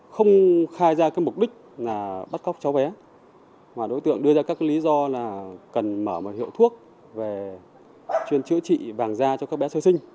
không khai ra mục đích là bắt cóc cháu bé mà đối tượng đưa ra các lý do là cần mở một hiệu thuốc về chuyên chữa trị vàng da cho các bé sơ sinh